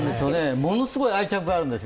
ものすごい愛着があるんですよ。